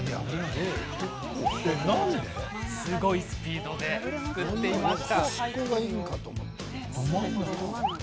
すごいスピードですくっていますよ。